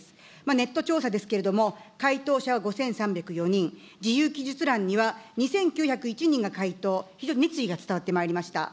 ネット調査ですけれども、回答者は５３０４人、自由記述欄には２９０１人が回答、非常に熱意が伝わってまいりました。